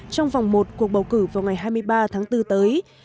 trong vòng một cuộc bầu cử vào ngày hai mươi ba tháng bốn tới